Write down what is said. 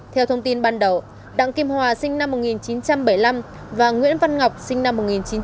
theo thông tin ban đầu đặng kim hòa sinh năm một nghìn chín trăm bảy mươi năm và nguyễn văn ngọc sinh năm một nghìn chín trăm tám mươi